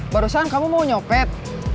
barusan kamu mau nyopet